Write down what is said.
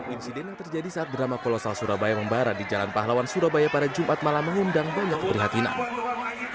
insiden yang terjadi saat drama kolosal surabaya membara di jalan pahlawan surabaya pada jumat malam mengundang banyak keprihatinan